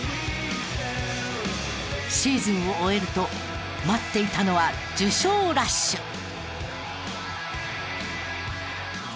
シーズンを終えると待っていたのは受賞ラッシュ。